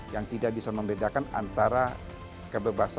yang tidak bisa membedakan antara kebebasan